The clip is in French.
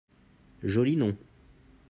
Joli nom